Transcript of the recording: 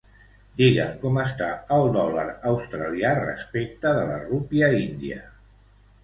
Digue'm com està el dòlar australià respecte de la rúpia índia.